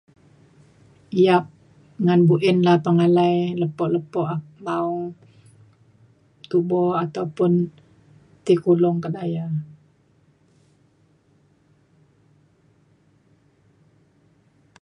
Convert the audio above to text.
yap ngan buin la pengalai lepo' lepo' atau tubo ataupun ti kulung ke daya.